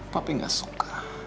papi gak suka